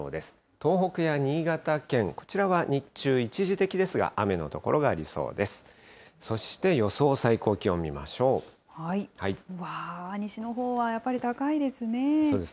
東北や新潟県、こちらは日中、一時的ですが、雨の所がありそうです。